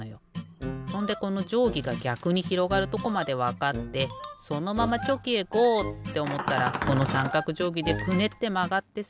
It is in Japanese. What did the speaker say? ほんでこのじょうぎがぎゃくにひろがるとこまでわかってそのままチョキへゴー！っておもったらこのさんかくじょうぎでクネッてまがってさ。